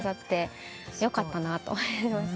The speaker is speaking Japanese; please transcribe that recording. よかったなと思います。